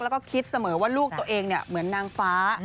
แล้วก็คิดเสมอว่าลูกตัวเองเหมือนนางฟ้า